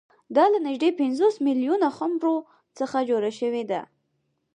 دا له نږدې پنځوس میلیونه خُمرو څخه جوړه شوې ده